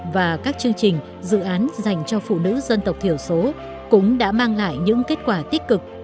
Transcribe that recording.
và các chương trình dự án dành cho phụ nữ dân tộc thiểu số cũng đã mang lại những kết quả tích cực